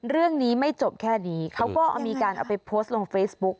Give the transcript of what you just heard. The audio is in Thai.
เรื่องนี้ไม่จบแค่นี้เขาก็มีการเอาไปโพสต์ลงเฟซบุ๊ก